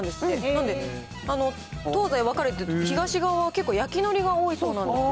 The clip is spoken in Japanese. なので、東西分かれて、東側は結構、焼きのりが多いそうなんです。